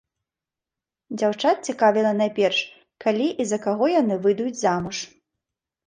Дзяўчат цікавіла найперш, калі і за каго яны выйдуць замуж.